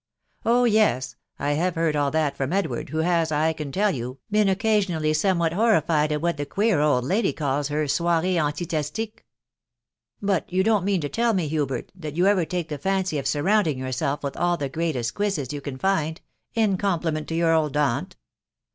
"Oh yes !.... I have heard all that from Edward, who has, I can tell you, been occasionally somewhat horrified at what the queer old lady calls her soirtes antiihestiques. But you don't mean to tell me, Hubert, that you ever take the fancy of surrounding yourself with all the greatest quizzes you can find, in compliment to your old aunt?"